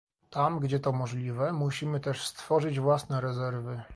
Tam, gdzie to możliwe, musimy też stworzyć własne rezerwy